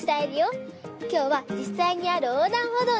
きょうはじっさいにあるおうだんほどうにきました！